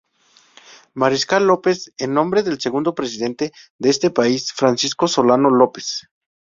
Mariscal López, en nombre del segundo presidente de este país, Francisco Solano López.